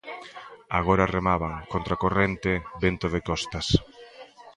Agora remaban, contra corrente, vento de costas.